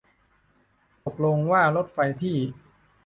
ตกลงว่ารถไฟที่